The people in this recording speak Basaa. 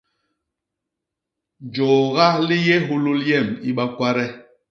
Jôôga li yé hulul yem i bakwade.